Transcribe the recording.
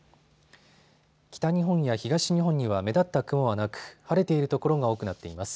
北日本や東日本には目立った雲はなく晴れている所が多くなっています。